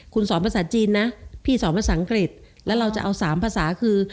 คุณสอนภาษาจีนนะพี่สอนภาษาอังกฤษแล้วเราจะเอาสามภาษาคือ